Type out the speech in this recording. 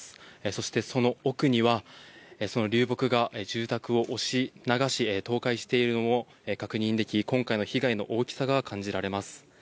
そして、その奥にはその流木が住宅を押し流し、倒壊しているのも確認でき、今回の被害の大きさが感じられます。